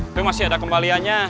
itu masih ada kembaliannya